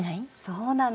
そうなの。